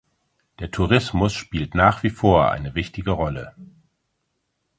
Der Tourismus spielt nach wie vor eine wichtige Rolle.